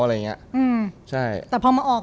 คงหมายถ่ายพูดก่อน